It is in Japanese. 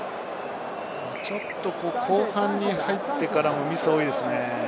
ちょっと後半に入ってからミスが多いですね。